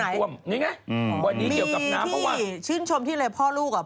นี่ไงวันนี้เกี่ยวกับน้ำเพราะว่ามีที่ชื่นชมที่เลยพ่อลูกอ่ะ